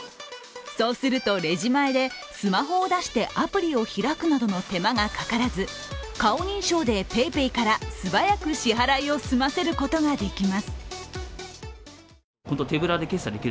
そうするとレジ前でスマホを出してアプリを開くなどの手間がかからず、顔認証でＰａｙＰａｙから素早く支払いを済ませることができます。